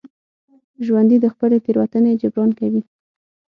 ژوندي د خپلې تېروتنې جبران کوي